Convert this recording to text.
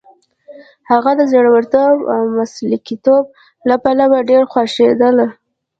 هغه د زړورتوب او مسلکیتوب له پلوه ډېره خوښېدله.